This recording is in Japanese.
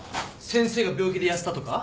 先生が病気で痩せたとか。